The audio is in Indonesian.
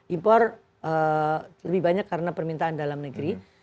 impor lebih banyak karena permintaan dalam negeri